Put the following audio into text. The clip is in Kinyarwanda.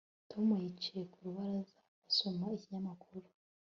Tom yicaye ku rubaraza asoma ikinyamakuru